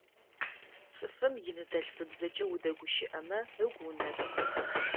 Цӏыфым иныдэлъфыбзэкӏэ удэгущыӏэмэ ыгу унэсы.